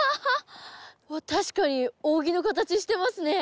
確かに扇の形してますね。